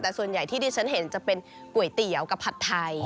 แต่ส่วนใหญ่ที่ดิฉันเห็นจะเป็นก๋วยเตี๋ยวกับผัดไทย